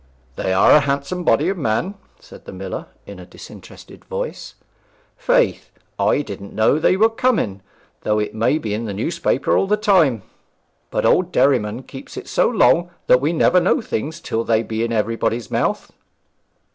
'They are a handsome body of men,' said the miller in a disinterested voice. 'Faith! I didn't know they were coming, though it may be in the newspaper all the time. But old Derriman keeps it so long that we never know things till they be in everybody's mouth.'